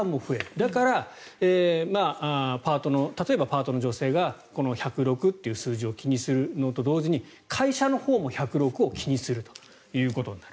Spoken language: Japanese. だから、例えばパートの女性がこの１０６という数字を気にするのと同時に会社のほうも１０６を気にするということになる。